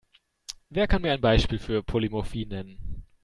Wer kann ein Beispiel für Polymorphie nennen?